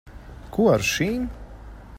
Ko ar šīm?